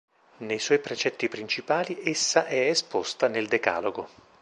Nei suoi precetti principali essa è esposta nel Decalogo.